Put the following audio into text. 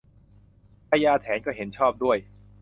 พญาแถนก็เห็นชอบด้วย